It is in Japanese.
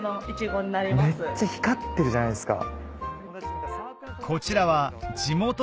めっちゃ光ってるじゃないですか。